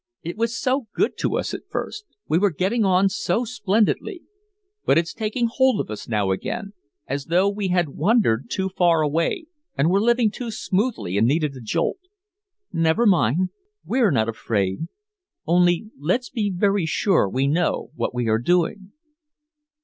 "It was so good to us at first we were getting on so splendidly. But it's taking hold of us now again as though we had wandered too far away and were living too smoothly and needed a jolt. Never mind, we're not afraid. Only let's be very sure we know what we are doing."